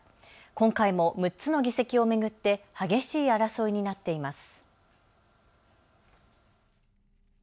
今回も６つの議席を巡って激しい争いになっています。